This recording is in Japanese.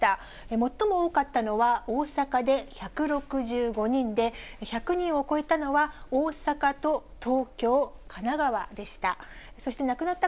最も多かったのは大阪で１６５人で、１００人を超えたのは、大阪と東京、神奈川でした。